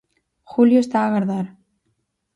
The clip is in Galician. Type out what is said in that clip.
Júlio está a agardar.